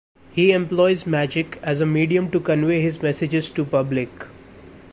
He employs magic as a medium to convey his messages to public.